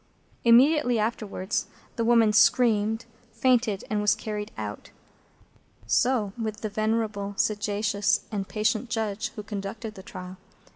Immediately afterwards that woman screamed, fainted, and was carried out. So with the venerable, sagacious, and patient Judge who conducted the trial.